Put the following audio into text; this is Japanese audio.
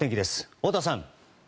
太田さん。